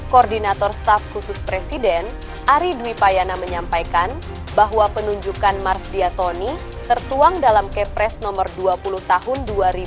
koordinator staf khusus presiden ari dwi payana menyampaikan bahwa penunjukan marsdia tony tertuang dalam kepres nomor dua puluh tahun dua ribu dua puluh